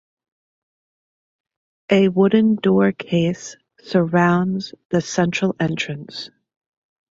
A wooden door case surrounds the central entrance.